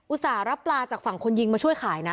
ส่าห์รับปลาจากฝั่งคนยิงมาช่วยขายนะ